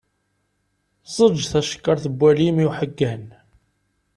Ẓẓeǧǧ tacekkart n walim i uḥeggan.